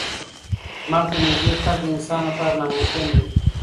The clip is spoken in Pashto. لمر ته نږدې تګ د انسان لپاره ناممکن دی.